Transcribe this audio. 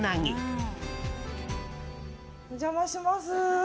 お邪魔します。